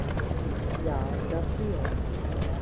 Jahr datiert.